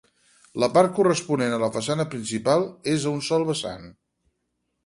La part corresponent a la façana principal és a un sol vessant.